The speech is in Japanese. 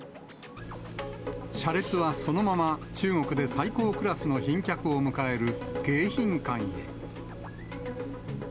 車列はそのまま中国で最高クラスの賓客を迎える迎賓館へ。